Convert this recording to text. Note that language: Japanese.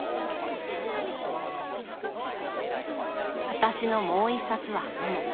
私のもう一冊は「モモ」。